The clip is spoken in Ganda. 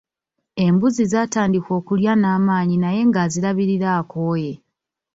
Embuzi zaatandika okulya n’amaanyi naye nga azirabirira akooye.